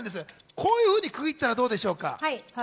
こういうふうに区切ったらどうですか？